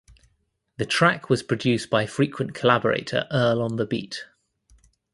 The track was produced by frequent collaborator Earl on the Beat.